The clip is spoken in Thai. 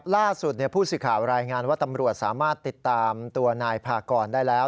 ล่าสุดผู้สื่อข่าวรายงานว่าตำรวจสามารถติดตามตัวนายพากรได้แล้ว